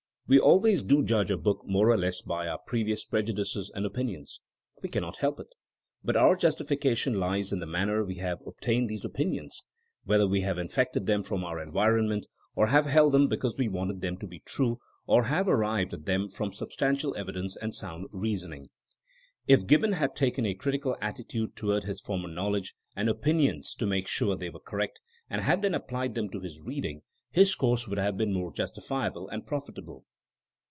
We always do judge a book more or less by our pre vious prejudices and opinions. We cannot help it. But our justification lies in the manner we have obtained these opinions ; whether we have Autobiography. 150 THINKINO AS A 8CIEN0E infected them from our enviromnent, or have held them because we wanted them to be true, or have arrived at them from substantial evidence and sound reasoning. If Gibbon had taken a critical attitude toward his former knowledge and opinions to make sure they were correct, and had then applied them to his reading, his course would have been more justifiable and profitable.